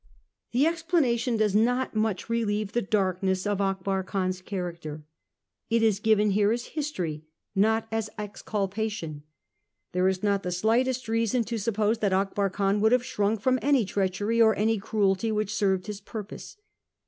The explanation does not much relieve the darkness of Akbar Khan's character. It is given here as history, not as exculpa 246 A HISTORY OF OUR OWN TIMES. cn. ix. tion. There is not the slightest reason to suppose that Akbar Khan would have shrunk from any treachery or any cruelty which served his purpose.